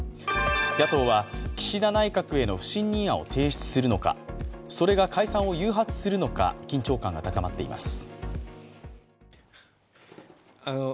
野党は岸田内閣への不信任案を提出するのか、それが解散を誘発するのか緊張感が高まっています。